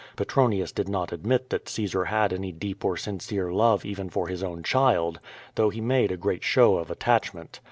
Petronius did not admit that Caesar had any deep or sincere love even for his own child, though he made a great show of attachment.